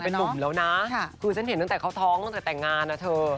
ตกไปหมุ่มนะคือฉันเห็นตั้งแต่เขาท้องตั้งแต่งงานอะเธอ